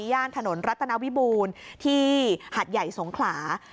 ย่านถนนรัตนาวิบูรณ์ที่หัดใหญ่สงขลา